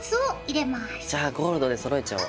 じゃあゴールドでそろえちゃお。